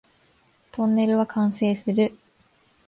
トンネルは完成する